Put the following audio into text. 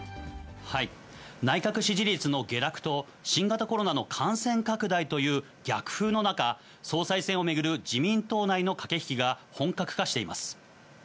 内閣支持率の下落と、新型コロナの感染拡大という逆風の中、総裁選を巡る自民党内の駆け引きが本格化しています。